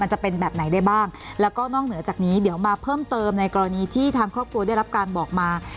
จะเป็นแบบไหนได้บ้างแล้วก็นอกเหนือจากนี้เดี๋ยวมาเพิ่มเติมในกรณีที่ทางครอบครัวได้รับการบอกมา